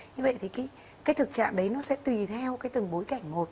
như vậy thì cái thực trạng đấy nó sẽ tùy theo cái từng bối cảnh một